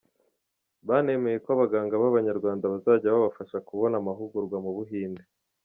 Banemeye ko abaganga b’Abanyarwanda bazajya babafasha kubona amahugurwa mu Buhinde.